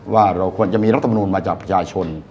ว่าเราควรจะมีรัฐมนูลมาจากประชาชน